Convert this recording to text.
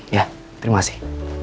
ya terima kasih